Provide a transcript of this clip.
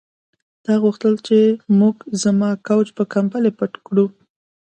تا غوښتل چې موږ زما کوچ په کمپلې پټ کړو